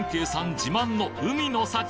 自慢の海の幸！